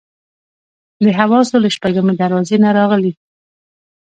د حواسو له شپږمې دروازې نه راغلي.